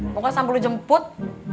pokoknya sambil lu jemput